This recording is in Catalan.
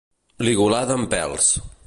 Ligulada amb pèls.